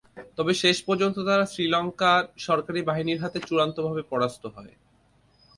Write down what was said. তবে শেষ পর্যন্ত তারা শ্রীলঙ্কার সরকারি বাহিনীর হাতে চূড়ান্তভাবে পরাস্ত হয়।